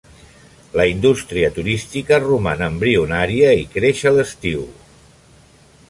La indústria turística roman embrionària i creix a l'estiu.